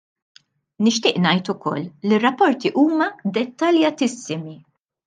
Nixtieq ngħid ukoll li r-rapporti huma dettaljatissimi.